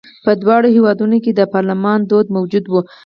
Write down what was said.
په دواړو هېوادونو کې د پارلمان دود موجود و.